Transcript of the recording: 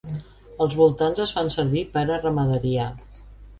Els voltants es fan servir per a ramaderia.